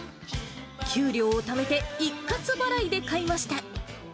給料をためて一括払いで買いました。